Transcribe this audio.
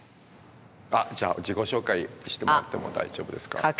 あじゃあ自己紹介してもらっても大丈夫ですか。